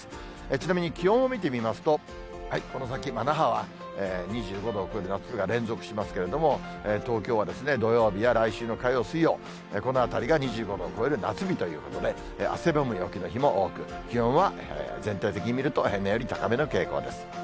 ちなみに気温を見てみますと、この先、那覇は２５度を超える夏日が連続しますけれども、東京は土曜日や来週の火曜、水曜、このあたりが２５度を超える夏日ということで、汗ばむ陽気の日も多く、気温は全体的に見ると、平年より高めの傾向です。